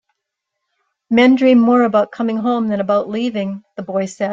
"Men dream more about coming home than about leaving," the boy said.